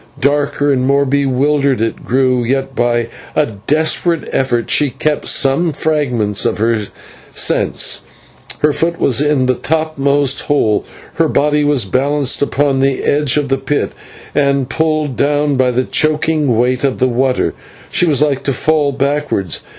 Darker and more bewildered it grew, yet by a desperate effort she kept some fragment of her sense. Her foot was in the topmost hole, her body was balanced upon the edge of the pit, and, pulled down by the choking weight of the water, she was like to fall backwards.